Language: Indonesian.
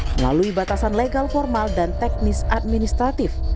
melalui batasan legal formal dan teknis administratif